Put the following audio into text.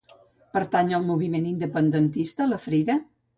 Pertany al moviment independentista la Frida?